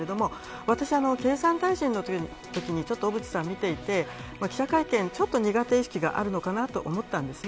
私は経産大臣のときに小渕さんを見ていて記者会見にちょっと苦手意識があるのかなと思ったんです。